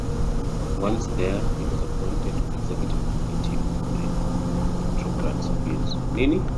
Once there, he was appointed to the executive committee of the Petrograd Soviet.